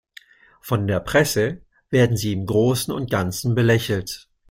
Von der Presse werden sie im Großen und Ganzen belächelt.